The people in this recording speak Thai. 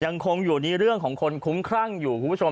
ยังคงอยู่ในเรื่องของคนคุ้มครั่งอยู่คุณผู้ชม